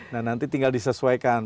nah nanti tinggal disesuaikan